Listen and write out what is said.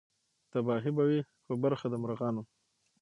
تباهي به وي په برخه د مرغانو